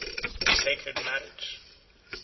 The Sacred Marriage 1.